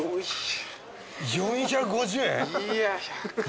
４５０園？